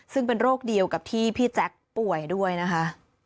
ซึ่งเป็นโรคเดียวกับที่พี่แจ๊คป่วยด้วยนะคะ